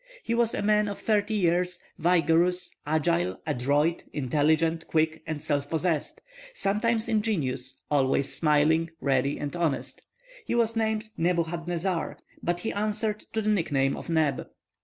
He was a man of thirty years, vigorous, agile, adroit, intelligent, quick, and self possessed, sometimes ingenuous always smiling, ready and honest. He was named Nebuchadnezzar, but he answered to the nickname of Neb.